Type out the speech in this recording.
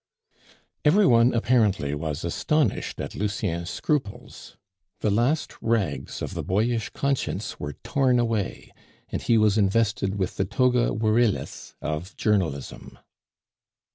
Every one apparently was astonished at Lucien's scruples. The last rags of the boyish conscience were torn away, and he was invested with the toga virilis of journalism.